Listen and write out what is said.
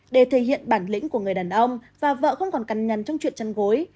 để thể hiện bản lĩnh của người đàn ông và vợ không còn cắn nhần trong chuyện chăn gối